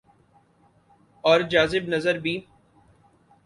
اورجاذب نظربھی۔